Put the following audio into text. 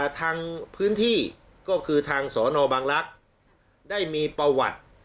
ทางพื้นที่ก็คือทางสนบังลักษณ์ได้มีประวัติ